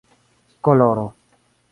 koloro